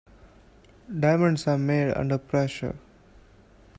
Diamonds are made under pressure.